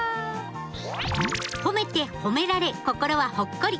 褒めて褒められ心はほっこり。